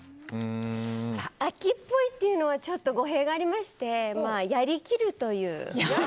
飽きっぽいというのはちょっと語弊がありましてまあ、やりきるという。